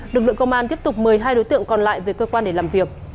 lực lượng công an tiếp tục mời hai đối tượng còn lại về cơ quan để làm việc